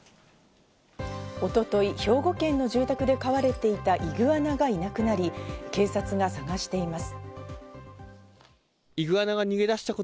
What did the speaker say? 一昨日、兵庫県の住宅で飼われていたイグアナがいなくなり、警察が探しています。